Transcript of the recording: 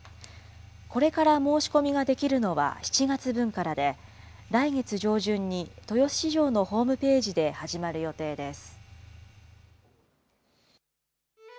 これから申し込みができるのは７月分からで、来月上旬に豊洲市場のホームページで始まる予定です。